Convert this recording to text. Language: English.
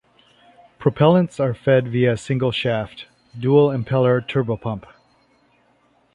Propellants are fed via a single shaft, dual impeller turbopump.